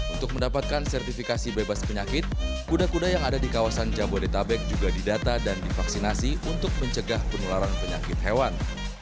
untuk mendapatkan sertifikasi bebas penyakit kuda kuda yang ada di kawasan jabodetabek juga didata dan divaksinasi untuk mencegah penularan penyakit hewan